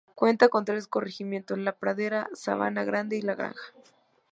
Cuenta con tres corregimientos: La Pradera, Sabana Grande y La Granja.